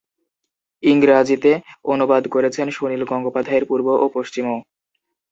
ইংরাজীতে অনুবাদ করেছেন সুনীল গঙ্গোপাধ্যায়ের 'পূর্ব-পশ্চিম'ও।